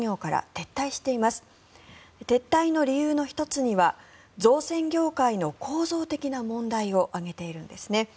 撤退の理由の１つには造船業界の構造的な問題を挙げているんです。